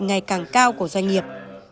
ngày càng cao của doanh nghiệp